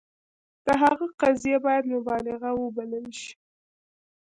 د هغه قضیې باید مبالغه وبلل شي.